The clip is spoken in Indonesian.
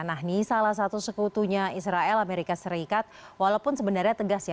nah ini salah satu sekutunya israel amerika serikat walaupun sebenarnya tegas ya